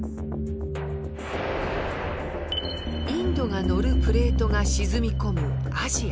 インドが乗るプレートが沈み込むアジア。